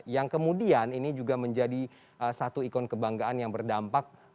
yang kemudian ini juga menjadi satu ikon kebanggaan yang berdampak